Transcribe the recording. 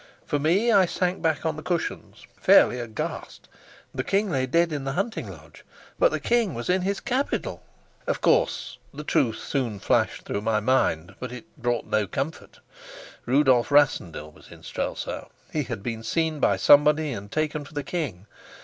For me, I sank back on the cushions, fairly aghast. The king lay dead in the hunting lodge, but the king was in his capital! Of course, the truth soon flashed through my mind, but it brought no comfort. Rudolf Rassendyll was in Strelsau. He had been seen by somebody and taken for the king.